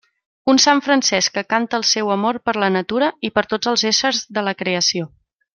Un sant Francesc que canta el seu amor per la natura i per tots els éssers de la creació.